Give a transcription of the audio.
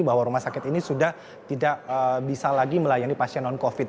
bahwa rumah sakit ini sudah tidak bisa lagi melayani pasien non covid